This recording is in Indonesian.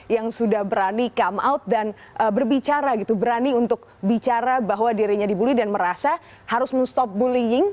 yang sudah berani come out dan berbicara gitu berani untuk bicara bahwa dirinya dibully dan merasa harus men stop bullying